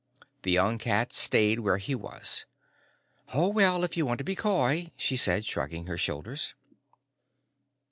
The young cat stayed where he was. "Oh, well, if you want to be coy," she said, shrugging her shoulders.